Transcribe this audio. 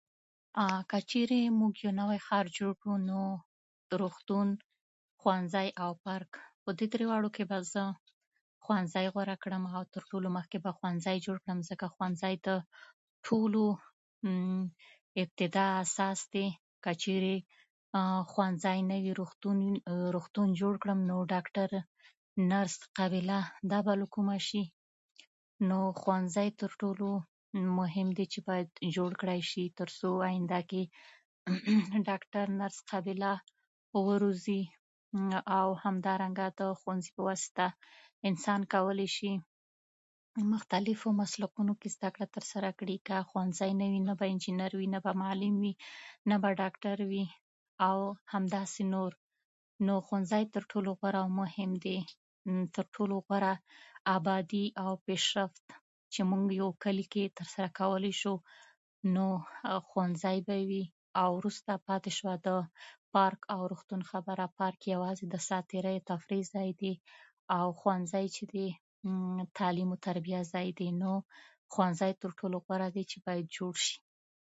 که چېرې موږ یو نوی ښار جوړ کړو، نو روغتون، ښوونځی، پارک، او په دې درېواړو کې به زه ښوونځی غوره کړم، او تر ټولو مخکې به ښوونځی جوړ کړم. ځکه چې ښوونځی د ټولو ابتدا اساس دی. که چېرې ښوونځی نه وي، روغتون جوړ کړم، نو ډاکتر، نرس، قابله به له کومه شي؟ نو ښوونځی تر ټولو مهم دی چې باید جوړ کړلی شي، تر څو په آینده کې تر څو په آینده کې نرس، قابله وروزي. او همدارنګه د ښوونځي په واسطه انسان کولای شي مختلفو مسلکونو کې زده کړه ترسره کړي. که ښوونځی نه وي، نه به انجینر وي، نه به معلم وي، نه به ډاکتر وي، او همداسې نور. نو ښوونځی تر ټولو غوره او مهم دی، تر ټولو غوره ابادي او پیشرفت په یو کلي کې ترسره کولای شو، نو ښوونځی به وي. او وروسته پاتې شوه د پارک او روغتون خبره؛ پارک یوازې د تفریح او ساعتېرۍ ځای وي، او ښوونځی چې دی تعلیم او تربیې ځای دی، نو ښوونځی تر ټولو غوره دی چې باید جوړ شي.